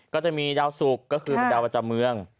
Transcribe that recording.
ก็จะมีดาวสุกก็คือเป็นดาวประจำเมือง